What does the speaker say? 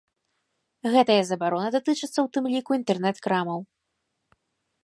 Гэтая забарона датычыцца ў тым ліку інтэрнэт-крамаў.